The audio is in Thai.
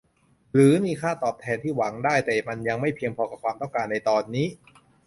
หรือมีค่าตอบแทนที่หวังได้แต่มันยังไม่เพียงพอกับความต้องการในตอนนี้